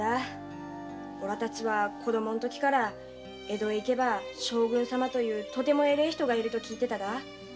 おらたちは子供のときから江戸へ行けば将軍様というとても偉い人がいると聞いてただ。